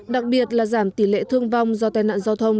đặc biệt là giảm tỷ lệ thương vong do tai nạn giao thông